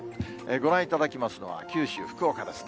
ご覧いただきますのは、九州・福岡ですね。